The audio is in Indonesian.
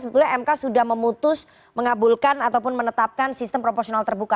sebetulnya mk sudah memutus mengabulkan ataupun menetapkan sistem proporsional terbuka